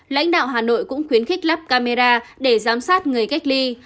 lãnh đạo hà nội cũng khuyến khích lắp camera để giám sát người cách ly